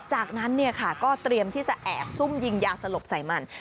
จากนั้นก็เตรียมที่จะแอบซุ่มยิงยาสลบใส่มัน